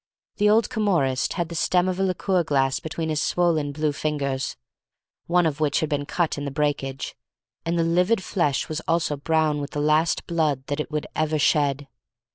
The old Camorrist had the stem of a liqueur glass between his swollen blue fingers, one of which had been cut in the breakage, and the livid flesh was also brown with the last blood that it would ever shed.